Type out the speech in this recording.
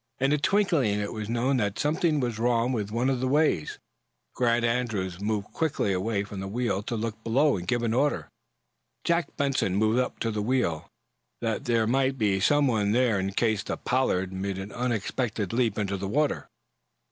In a twinkling it was known that something was wrong with one of the ways. Grant Andrews moved quickly away from the wheel to look below and give an order. Jack Benson moved up to the wheel, that there might be someone there in case the "Pollard" made an unexpected leap into the water.